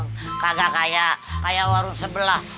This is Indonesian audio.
gak kayak warung sebelah